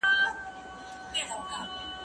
زه له سهاره انځورونه رسم کوم!